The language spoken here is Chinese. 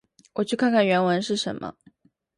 我去看看原文是什么。